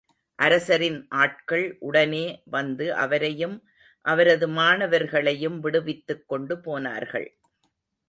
அரசரின் ஆட்கள் உடனே வந்து அவரையும், அவரது மாணவர்களையும் விடுவித்துக் கொண்டு போனார்கள்.